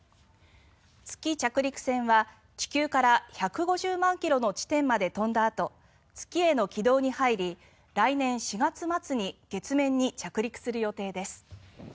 月着陸船は地球から１５０万ｋｍの地点まで飛んだあと月への軌道に入り、来年４月末に月面に着陸する予定です。